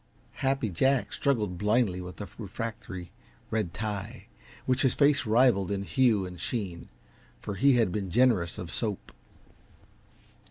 Happy Jack struggled blindly with a refractory red tie, which his face rivaled in hue and sheen for he had been generous of soap.